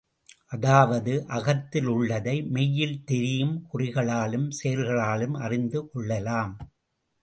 அதாவது, அகத்தில் உள்ளதை, மெய்யில் தெரியும் குறிகளாலும் செயல்களாலும் அறிந்து கொள்ளலாம்.